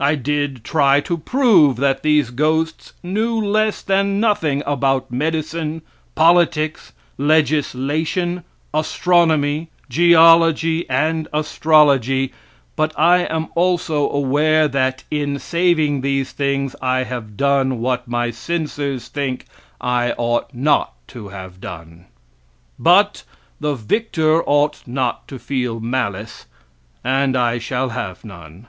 I did try to prove that these ghosts knew less than nothing about medicine, politics, legislation, astronomy, geology and astrology, but I am also aware that in saving these things I have done what my censors think I ought not to have done. But the victor ought not to feel malice, and I shall have none.